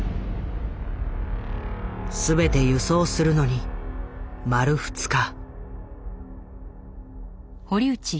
すべて輸送するのに丸２日。